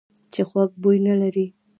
چې خوږ بوی نه لري .